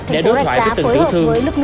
để đối thoại với từng tử thương